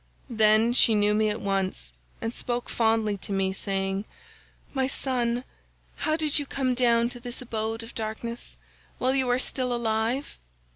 Then she knew me at once and spoke fondly to me, saying, 'My son, how did you come down to this abode of darkness while you are still alive?